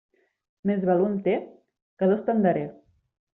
Més val un té, que dos te'n daré.